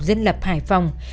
dân lập hải phòng